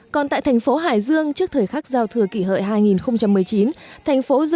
còn tại thành phố hải dương trước thời khắc giao thừa kỷ hợi hai nghìn một mươi chín